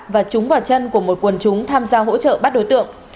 và trúng vào chân của một quần chúng tham gia hỗ trợ bắt đối tượng